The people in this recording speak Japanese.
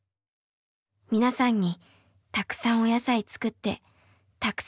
皆さんにたくさんお野菜作ってたくさん入れるようにします。